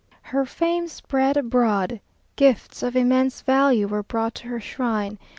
Her fame spread abroad. Gifts of immense value were brought to her shrine.